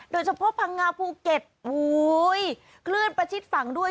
โดยเฉพาะพังงาภูเก็ตคลื่นประชิดฝั่งด้วย